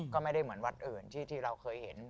ก็ไม่ได้เหมือนวัดอื่นที่เราเคยเห็น